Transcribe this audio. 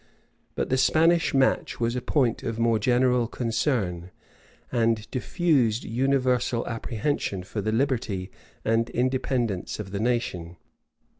But the Spanish match was a point of more general concern, and diffused universal apprehension for the liberty and independence of the nation.